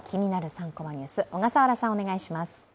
３コマニュース」、小笠原さん、お願いします。